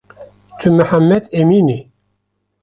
Tu Mihemmed Emîn î